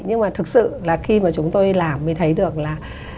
nhưng mà thực sự là khi mà chúng tôi làm mới thấy được là